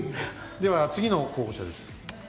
では次の候補者です。